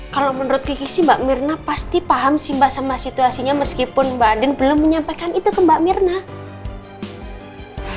kalau menurut kiki sih mbak mirna pasti paham sih mbak sama situasinya meskipun mbak den belum menyampaikan itu ke mbak mirna